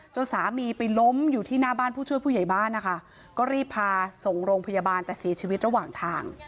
สามีไปล้มอยู่ที่หน้าบ้านผู้ช่วยผู้ใหญ่บ้านนะคะก็รีบพาส่งโรงพยาบาลแต่เสียชีวิตระหว่างทาง